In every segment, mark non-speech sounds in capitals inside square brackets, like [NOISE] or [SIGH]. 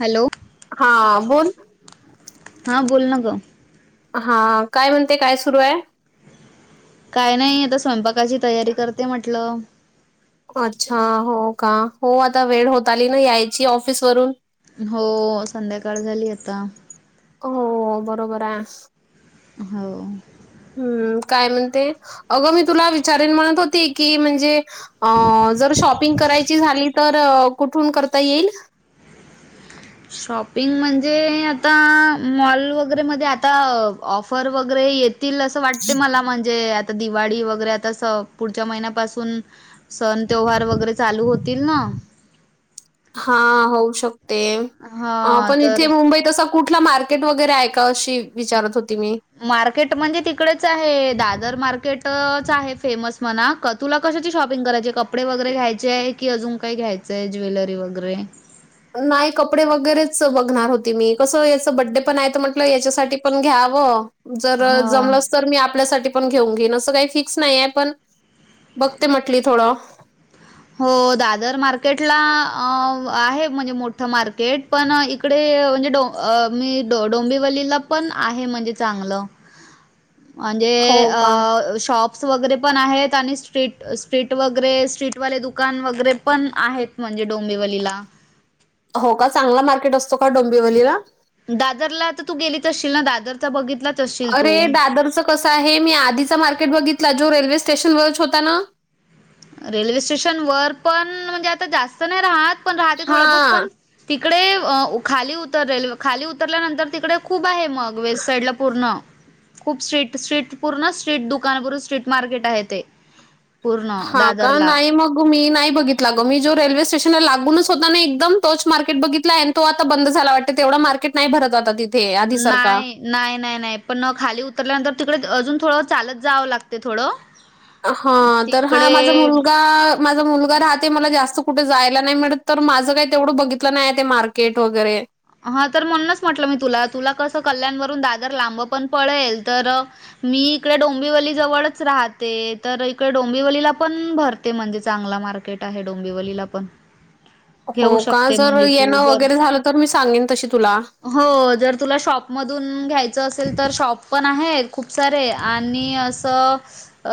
Hello? हा, बोल. हां बोल ना ग हा, काय म्हणते? काय सुरू आहे? काय नाही, आता स्वयंपाकाची तयारी करते म्हटलं! अच्छा! हो का? हो आता वेळ होत आली ना यायची ऑफिस वरून. हो संध्याकाळ झाली आता. हो बरोबर आयस. हो. हम्म काय म्हणते अगं मी तुला विचारेन म्हणत होती की म्हणजे अ जर शॉपिंग करायची झाली तर कुठून करता येईल. शॉपिंग म्हणजे आता मॉल वगैरेमध्ये आता ऑफर वगैरे येत तील असं वाटते मला म्हणजे त दिवाळी वगैरे आता स पुढच्या महिन्यापासून सण तेव्हार वगैरे चालू होतील ना? हा होऊ शकते आ हा पण इथे तर मुंबईत अस. कुठला मार्केट वगैरे आहे का अशी विचारत होती मी. मार्केट म्हणजे तिकडेच आहे दादर मार्केटच आहे फेमस म्हणा क तुला कशाची शॉपिंग करायची कपडे वगैरे घ्यायचेय, आहे की अजून काही घ्यायचें आहे ज्वेलरी वगैरे. नाही कपडे वगैरेच बघणार होते मी कसं याच बड्डे पण आहे तर म्हंटलं याच्यासाठी पण घ्यावं. जर हा. जमलच. तर मी आपल्यासाठी पण घेऊन घेईन असं काही फिक्स नाही आहे पण बघते म्हटली थोडं. हो दादर मार्केटला अ आहे म्हणजे मोठं मार्केट. पण इकडे म्हणजे डोंब अ मी डोंबिवलीला पण आहे म्हणजे चांगलं. म्हणजे हो का? आ शॉप. - प्स वगैरे पण आहेत आणि स्ट्रीट स्ट्रीट वगैरे स्ट्रीटवाले दुकान वगैरे पण आहेत. म्हणजे डोंबिवलीला. हो का चांगला मार्केट असतो का डोंबिवलीला? दादरला आता तू गेलीच असशील ना दादरचा बघितलात अरे दादरचं कसं आहे मी आधीचा मार्केट बघितला जो रेल्वे स्टेशनवरच होता ना? रेल्वे स्टेशन वर पण म्हणजे आता जास्त नाही राहात पण राहते थोडा बहुत हां. पण तिकडे अ उ खाली उतरेल खाली उतरल्यानंतर तिकडे खूप आहे. मग वेस्ट साईड ला पूर्ण? खूप स्ट्रीट स्ट्रीट पूर्ण स्ट्रीट दुकानपूर स्ट्रीट मार्केट आहे ते पूर्ण. हा का दादरला नाही मग. मी नाही बघितला ग मी जो रेल्वे स्टेशनला लागूनच होता ना एकदम तोच मार्केट बघितला तो आता बंद झाला वाटत तेवढा मार्केट नाही भरत आता तिथ नाही. नाही नाही नाही पण खाली उतरल्यानंतर तिकड द अजून थोडं चालत जावं लागते थोडं. हा तर हा माझा तिकडे मुलगा - - माझा मुलगा राहते मला जास्त कुठे जायला नाही मिळत तर माझं काही तेवढं बघितलं नाही ते मार्केट वगैरे. हा तर म्हणूनच म्हटलं मी तुला तुला कस कल्याणवरून दागर लांब पण पडेल तर मी इकडे डोंबिवली जवळच राहते तर इकडे डोंबिवलीला पण भर ते म्हणते चांगला मार्केट आहे डोंबिवलीला पण. हो घेऊ का शकते जर म्हणजे येण तू जर वगैरे झालं तर मी सांगेन तशी तुला. हो जर तुला शॉपमधून घ्यायचं असेल तर शॉप पण आहेत. खूप सारे आणि असं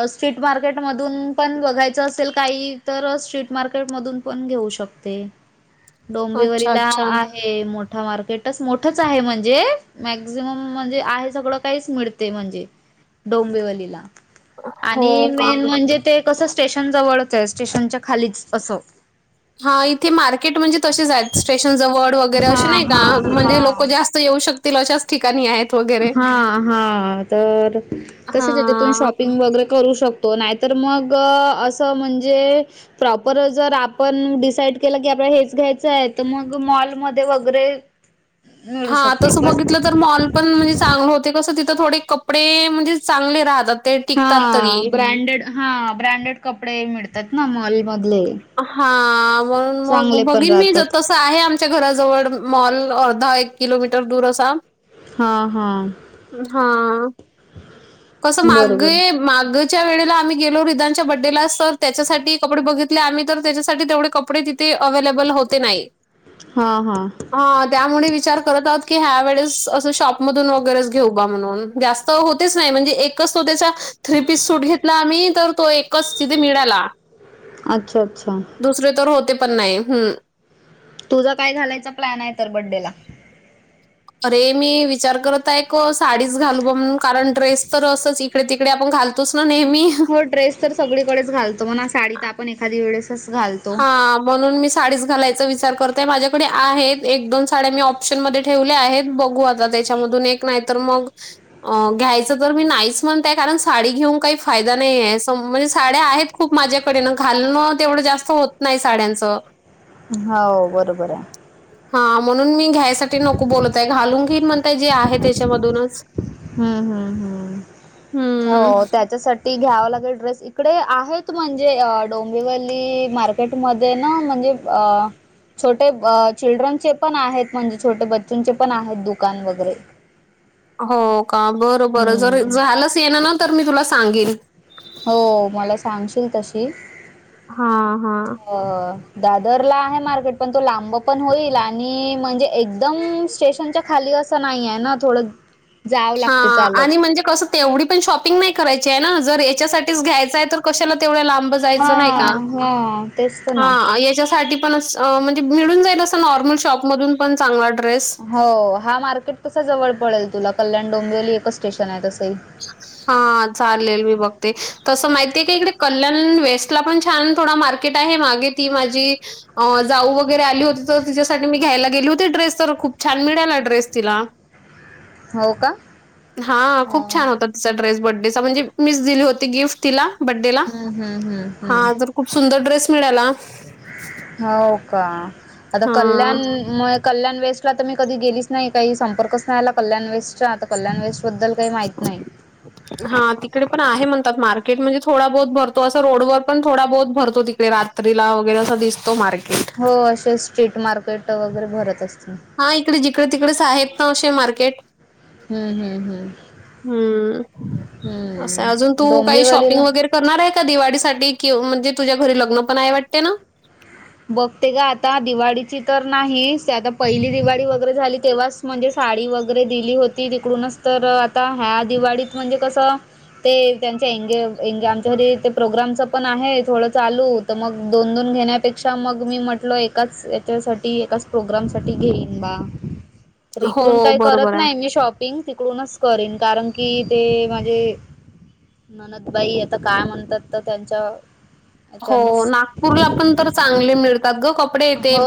अ स्ट्रीट मार्केटमधून पण बघायचं असेल काही तर स्ट्रीट मार्केटमधून पण घेऊ शकतोय. [INAUDIBLE] अच्छा, डोंबिवलीला अच्छा. आहे मोठा मार्केट. तस मोठच आहे म्हणजे मॅक्सीमम म्हणजे आहे सगळं काहीच मिळते म्हणजे डोंबिवलीला. हो आणि का? मेन म्हणजे ते कस स्टेशन जवळच आहे स्टेशनच्या खालीच असं. हा इथे मार्केट म्हणजे? तसेच आहेत स्टेशन वर्ड वगैरे हा असे नाही का हा म्हणजे लोक जास्त येऊ शकत हा हा तर कशी हां. तुम्ही. [UNINTELLIGIBLE] किंग वगैरे करू शकतो नाहीतर मग असं म्हणजे प्रॉपर जर आपण डिसाईड केला की आपल्या हेच घ्यायचं आहे तर मग मॉलमध्ये वगैरे मिळू हा शकते तस बघितलं तर पण मॉल पण म्हणजे चांगलं होते कसं तिथं थोडी कपडे म्हणजे चांगले राहतात. ते हा टिकतात तरी. ब्रँडेड हा ब्रँडेड कपडे मिळतात ना मॉलमधले. हा मग मग बघीन मी ज राहतात आहे आमच्या घराजवळ मॉल अर्धा एक किलोमीटर दूर असा. हा हा हा कस बरोबर मागे मागच्या वेळेला आम्ही गेलो रिदानच्या बर्डेलाच तर त्याच्यासाठी कपडे बघित. आम्ही तर त्याच्यासाठी तेवढे कपडे तिथे अव्लेबल होते नाही. हा हा. हा त्यामुळे विचार करत आहोत की ह्या वेळेस असं शॉपमधून वगैरेच घेऊ बा म्हणून जास्त होतेच नाही म्हणजे एकच तो त्याचा थ्री पीस सूट घेतला आम्ही तर तो एकच तिथे मिळाला. अच्छा अच्छा. दुसरे तर होते पण नाही. तुझा काय घालायचा प्लॅन आहे तर बड्डेला. अरे मी विचार करत आहे साडीच घालू ब म्हून कारण ड्रेस तर असंच. तिकडे तिकडे आपण घालतोच ना नेहमी. पण ड्रे्स तर सगळीकडेच घालतो मग साडी तर आपण एखादी वेळेसच घालतो. हा म्हणून मी साडीच घालायचा विचार करतय माझ्याकडे आहेत एक दोन साड्या मी ऑप्शन मध्ये ठेवल्या आहेत बघू आत्ता. आता त्याच्यामधून एक नाही तर मग. अ घ्यायचं तर मी नाहीच म्हणतय कारण साडी घेऊन काही फायदा नाही आहे म्हणजे साड्या आहेत. खूप माझ्याकडे घालण तेवढं जास्त होत नाही साड्यांचं. हो बरोबर आहे. हा म्हणून मी घ्यायसाठी नको बोलताय घालून घेईन म्हणताय जे आहे त्याच्यामधूनच. हम्म हम् हम् हम्म. हो त्याच्यासाठी. ती घ्याव लागेल ड्रेस इकडे आहेत म्हणजे डोंबिवली मार्केटमध्ये ना म्हणजे. अ. छोटे चिल्ड्रनचे पण आहेत म्हणजे छोटे बच्चूंचे पण आहेत दुकान वगैरे हो का बर बरं जर हम्म झालाच ये ना ना तर मी तुला सांगेल. हो मला सांगशील तशी हां, हां. अ. दादरला आहे मार्केट पण तो लांब पण होईल आणि म्हणजे एकदम स्टेशनच्या खाली असं नाही आहे ना थोडं. जावं हा लागते चालत आणि म्हणजे कस तेवढी पण शॉपिंग नाही करायची आहे ना जर याच्यासाठीच घ्यायचंय तर कशाला तेवढ्या लांब हा जायचं नाही का हा तेच तर ना हा याच्यासाठी पण असं म्हणजे मिळून जाईल अस नॉर्मल शॉपमधून पण चांगला ड्रेस. हो हा मार्केट कसा जवळ पडेल तुला कल्याण डोंबिवली एकच स्टेशन आहे तसंही. ह. हा चालेल मी बघते तसं माहितीये का इकडे कल्याण वेस्ट ला पण छान थोडा मार्केट आहे हे मागे ती माझी हो जाऊ वगैरे आली होती तर तिच्यासाठी मी घ्यायला गेली होती ड्रेस तर खूप छान मिळाला ड्रेस तिला हो का हा हो खूप हम्म तस ड्रेस बर्थडेचा म्हणजे मी तिला दिली होता गिफ्ट बर्थडेला हम्म हम्म हम्म तिला खूप सुंदर ड्रेस मिळाला होव का आता हां, कल्याण म कल्याण वेस्ट ला तर मी कधी गेलीच नाही काही संपर्कच नाही आला कल्याण वेस्ट आता कल्याण वेस्ट बद्दल काही माहित नाही हा तिकडे पण आहे म्हणतात मार्केट म्हणजे थोडा बहुत भरतो असं रोडवर पण थोडा बहुत भरतो तिकडे रात्री रात्रीला वगैरे असा दिसतो मार्केट हो असे स्ट्रीट मार्केट वगैरे भरत असते हा इकडे जिकडे-तिकडे असे आहेत ना असे मार्केट हम्म हम्म हम्म हम्म असं अजून हम्म तू काही शॉपिंग डोंबिवलीला वगेरे करणार आहे का दिवाळीसाठी किंवा म्हणजे तुझ्या घरी लग्न पण आहे वाटते ना बघते ग आता दिवाळीची तर नाहीच आता पहिली दिवाळी वगैरे झाली तेव्हाच म्हणजे साडी वगैरे दिली होती तिकडूनच तर आता ह्या दिवाळीत म्हणजे कसं ते त्यांच्या एनगेज आमच्या घरी ते प्रोग्रामचं पण आहे थोडं चालू तर मग दोन दोन घेण्या पेक्षा मग मी म्हटल एकाच याच्यासाठी एकाच प्रोग्राम साठी घेईन बा तर हो, इकडून काही करत बरोबर आहे. नाही मी शॉपिंग तिकडूनच करीन कारण की ते माझे ननंदबाई आता काय म्हणतात तर त्यांच्या हो याच्यानेच नागपूरला पण तर चांगले मिळतात ग कपडे ते हो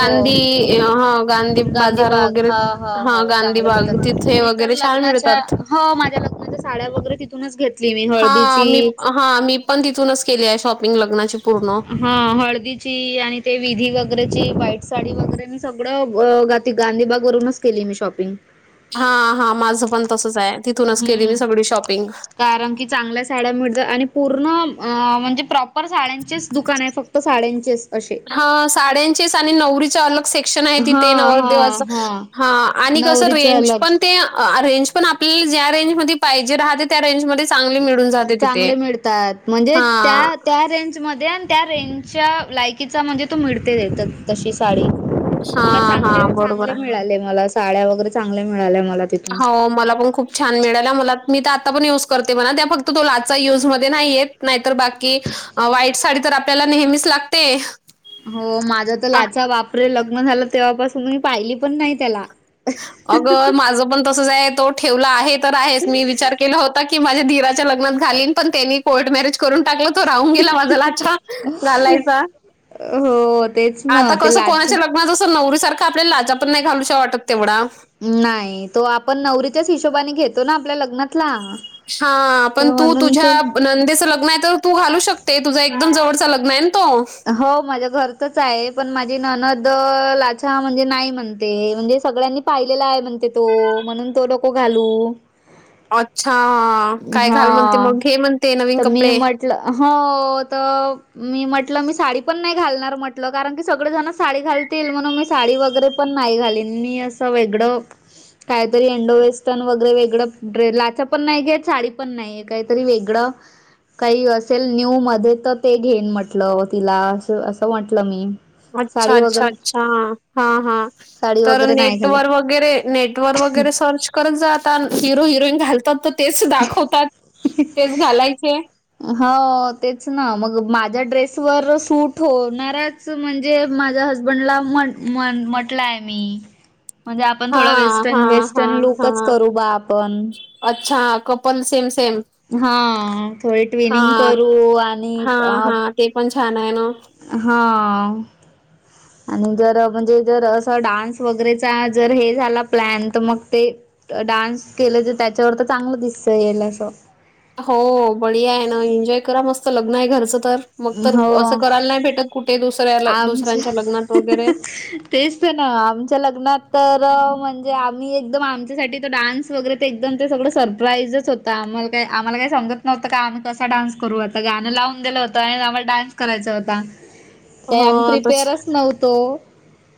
हो अ ह गांधी बाजार गांधीबाग वगैरे हा हा हो गांधी चांगलं बाग म्हणतात तिथे मी तर वगैरे छान लग्नाच्या मिळतात हो माझ्या लग्नाच्या साड्या वगैरे तिथुन च घेतली मी हा मी हळदीची हा मी पण तिथूनच केली आहे शॉपिंग लग्नाची पूर्ण हा हळदीची आणि ते विधी वगैरेची व्हाईट साडी वगैरे सगळं ग गांधीबाग वरूनच केली मी शॉपिंग हा हा माझं पण तसच आहे तिथूनच केली मी हम्म सगळी शॉपिंग कारण की चांगल्या साड्या मिळतात आणि पूर्ण म्हणजे प्रॉपर साड्यांचेच दुकान आहे फक्त फक्त साड्यांचेच असे हा साडे्यांंचीच आणि नवरीचे अलग सेक्शन आहे हा तिथे हा नवरदेवाच हा आणि कस नवरीच रेंज अलग पण ते अ रेंज पण आपली ज्या रेंज मध्ये पाहिजे राहते त्या रेंज मध्ये चांग चांगले मिळतात म्हणजे हां, त्या त्या रेंज मध्ये आणि त्या रेंजच्या लायकीचा म्हणजे तो मिळतो तिथं तशी साडी मला हां, चांगले हां, बरोबर आहे. चांगले मिळाले मला साड्या वगैरे चांगल्या मिळाल्या मला तिथं हो मला पण खूप छान मिळाला मला मी तर आता पण युज करते म्हणा त्या फक्त तो लाचा युज मध्ये नाही येत नाहीतर बाकी वाईट साडी तर आपल्याला नेहमीच लागते हो माझं तर आ, लाचा बापरे लग्न झालं तेव्हापासून मी पाहिली पण नाही त्याला अगं माझ पण तसच आहे तो ठेवला आहे तर आहे मी विचार केला होता की की माझ्या दीराच्या लग्नात घालीन पण त्यांनी कोर्ट मॅरेज करून टाकला तो, राहून गेला माझा लाचा घालायचा. हो तेच ना आता ते कसं लाच कोणाच्या लग्नात जसं नवरी सारखा, आपल्याला लाचा पण नाही घालूश वाटत तेवढा नाही, तो आपण नवरीच्याच हिशोबाने घेतोना आपल्या लग्नातला. हा, पण तर तू म्हणून ते तुझ्या नंदेचं लग्न आहे तर, तू घालू शकते, तुझा एकदम जवळच लग्न आहे ना तो. हो, माझ्या घरचच आहे, पण माझी ननद लाचा म्हणजे नाही म्हणते, म्हणजे सगळ्यांनी पाहिलेला आहे म्हणते तो, म्हणून तो नको घालू. अच्छा! काय घाल म्हणते हा मग? घे म्हणते नवीन तर मी कपडे म्हटलं हो, त मी म्हटल म्हटलं मी साडी पण नाही घालणार म्हटलं, कारण की सगळे जण साडी घालतील, म्हणून मी साडी वगैर पण नाही घालीन, मी असं वेगड काहीतरी इंडो वेस्टर्न वगैरे वेगळं, ड्रेस लाच पण नाही की साडी पण नाही काहीतरी वेगळं, काही असेल न्यू मध्ये तर ते घेन म्हट म्हट तिला असं म्हटलं मी अच्छा, साडी अच्छा, वगैरे अच्छा! हा हा, साडी तर वगैरे नाही नेटवर् घालत वगैरे नेटवर वगैरे सर्च करत जा, आता हिरो हिरोईन घालतात तेच दाखवतात, तेच घालायचे. हो, तेच ना, मग माझ्या ड्रेसवरर सूट होणारच म्हणजे जे माझ्या हसबंडला [UNINTELLIGIBLE] म्हटलंय मी म्हणजे आपण थोडा हां, वेस्टर्न, हां, वेस्टर्न हां, लुकच हां. करू बा आपण. अच्छा! क पण सेम सेम, हा थोडी हा, ट्विनिंग करू आणि हा अ हा. ते पण छान आहे ना. हा. [INAUDIBLE] आणि जर, म्हणजे जर, असं डान्स वगैरेचा जर हे झाला प्लॅन तर मग ते डान्स केलं तर त्याच्यावर तर चांगलं दिसेल अस हो, बडिया आहे ना, एन्जॉय करा मस्त लग्न आहे घरचं तर, मग तर हो असं करायला नाही भेटत कुठे दुसऱ्या दुसऱ्यांच्या लग्नात आमच्या वगैरे तेच ते ना, आमच्या लग्नात तर म्हणजे आम्ही एकदम आमच्यासाठीत डान्स वगैरे ते एकदम ते सगळं सरप्राईजच होता, आम्हाला काय आम्हा काय समजत नव्हतं का आम्ही कसा डान्स करू गाणं लावून दिलं होतं, आणि आम्हाला डान्स करायचा होता. काही आम्ही हा, तच प्रिपेअरच नव्हतो.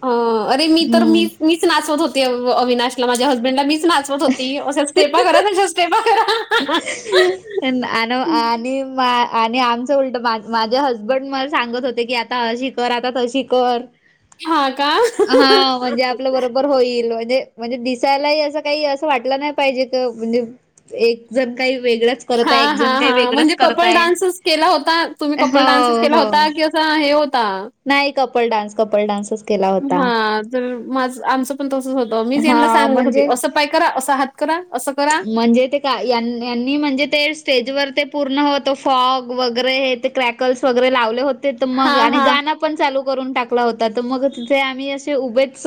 हा अरे मी तर मी हम्म. मी मीच नाचवत होती अविनाशला, माझ्या हसबंडला, मीच नाचवत होती, अशा स्टेपा करा, तशा स्टेपा करा. आन आणि आणि आमचं उलट माझे हसबंड मला सांगत होते की आता अ तर आता तशी कर, हां का? हा म्हणजे आपल बरोबर होईल, म्हणजे म्हणजे दिसायलाही असं काही असं वाटलं नाही पाहिजे, म्हणजे एक जण काही वेगळंच हा करताय एक हा जण काही हां, वेगळंच म्हणजे कपल करताय डान्सच केला होता, तुम्ही कपल डान्सच हो केला हो होता कि हे होता नाही कपल डान्स, कपल डान्सच केला होता हा, तर माझ आमचं पण तसच होतं, मीच यांना हा सांगत होती, म्हणजे असं पाय करा असं ह करा, असं करा या -यांनी म्हणजे ते स्टेजवर ते पूर्ण तो फॉग वगैरे ते क्रॅक वगैरे लावले होते तर मग हां, आणि हां. गान पण चालू करून टाकला होता तर मग तिथे आम्ही असे उभेच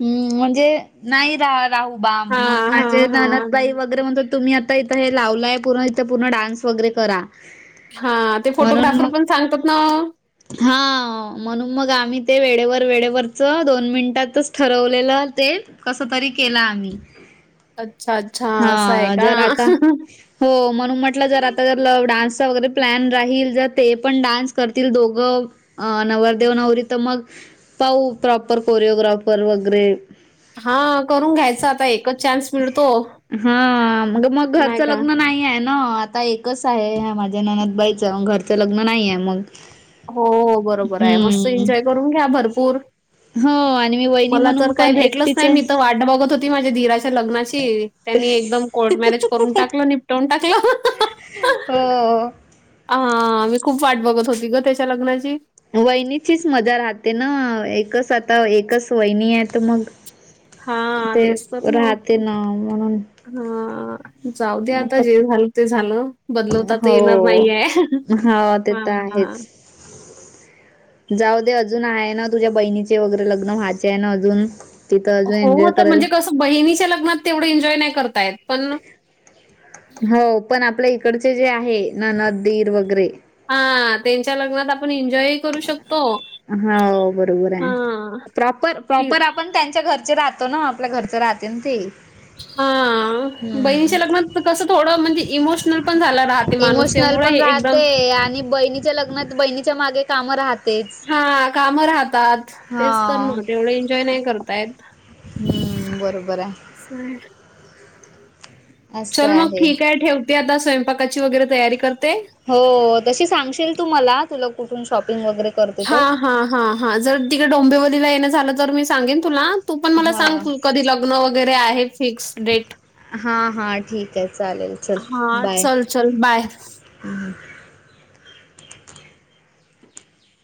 हम् म्हणजे नाही रा- राह उभा मग हां, माझे हां, हां. ननदबाई वगैरे म्हणत हो तुम्ही आता इथं हे लावलंय पूर्ण हित पूर्ण डान्स वगैरे करा. हा ते म्हणून फोटोग्राफर मग पण सांगतात ना ओ. हा म्हणून मग आम्ही ते वेळेवर वेळेवरच दोन मिनिटातच ठरवलेलं ते. कस तरी केला आम्ही. अच्छा अच्छा असं हाय हा का? जर आता हो म्हणून म्हटलं जर आता जर ल- डान्सचा वगैरे प्लॅन राहील जर ते पण डान्स कर तील दोघं अ- नवरदेव नवर तर मग पाऊ प्रॉपर कोरिओग्राफर वगैरे. हा करून घ्यायच आता एकच चान्स मिळतो. हा मग नाही घरचं का? लग्न नाही याय ना आता एक कसं आहे ह्या माझ्या ननंद बाईचं घरचं लग्न नाहीया मग हो बरोबर हाय मस्त हम्म एन्जॉय करून घ्या भरपूर. हो आणि मी वहिनी मला तर म्हणून काही पण भेटलच एकटीच नाही मी तर आहे वाट बघत होती माझ्या दिरा लग्नाची त्यांनी एकदम कोर्ट मॅरेज करून टाकलं निपटवून टाकलं. हो. आ -मी खूप वाट बघत होती ग त्याच्या लग्नाची. वहिनीचीच मजा राहते ना एकच आता एकच वहिनी आहेत मग. हां, ते राहते ना म्हणून. हा. जाऊद्या आता जे झालं ते झालं बदलवता तर येणार हो नाहीये. हा ते हां, तर आहेच. [INAUDIBLE] जाऊदे अजून आहे ना तुझ्या बहिणीचे वगैरे लग्न व्हायचे आहे ना अजून? तिथं अजून हो, एन्जॉय तर करायला म्हणजे कसं बहिणीच्या लग्नात तेवढं एन्जॉय नाय करता येत पणं हो पण आपल्या इकडचे जे आहे ननंद दीर वगैरे हा त्यांच्या लग्नात आपण एन्जॉय अ- हो बरोबर हाय, हां. प्रॉपर ती प्रॉपर आपण त्यांच्या घरचे राहतो ना आपल्या घरचे राहतेना ते. हा हम्म बहिणीच्या लग्नात कस थोडं म्हणजे इमोशनल पण झाला राहते माणूस इमोशनल तेवढं पण हे एकदम राहते आणि बहिणीच्या लग्नात बहिणीच्या मागे कामं राहते. हा काम राहतात तेच तर ना तेवढे एन्जॉय नाय करता येत. हम्म बरोबर हाय. चलं असं चल मग आहे. ठीकं हाय ठेव ते आता स्वयंपाकाची वगैरे तयारी करते. हो तशी सांगशील तू मला तुला कुठून शॉपिंग वगैरे करते हा तर. हा हा हा जर तिकडे डोंबिवलीला येणं झालं तर मी सांगेन तुला तू पण मला सांग हा कधी लग्न वगैरे आहेत फिक्स. डेट. हा हा ठीकाय चालेल चलं बाय. चलं बाय.